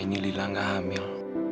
ini lila enggak hamil